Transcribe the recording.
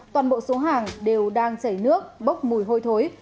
toàn bộ số hàng đều đang chảy nước bốc mùi hôi thối